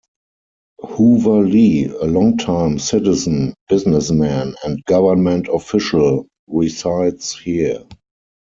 Hoover Lee, a long-time citizen, businessman, and government official, resides here.